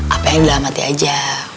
apa yang udah amati aja